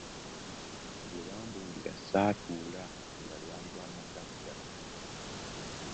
Bwe bambuulira ssaatuula nga lwali lwa mugagga.